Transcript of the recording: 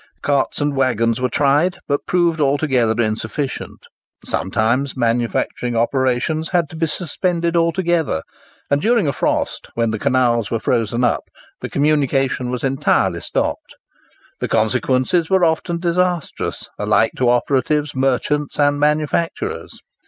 Carts and waggons were tried, but proved altogether insufficient. Sometimes manufacturing operations had to be suspended altogether, and during a frost, when the canals were frozen up, the communication was entirely stopped. The consequences were often disastrous, alike to operatives, merchants, and manufacturers.